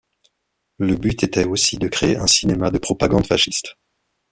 Le but était aussi de créer un cinéma de propagande fasciste.